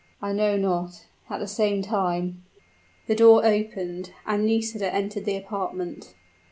"I know not. At the same time " The door opened, and Nisida entered the apartment.